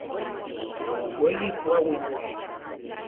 Ueyi kuauitl.